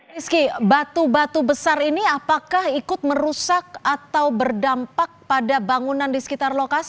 rizky batu batu besar ini apakah ikut merusak atau berdampak pada bangunan di sekitar lokasi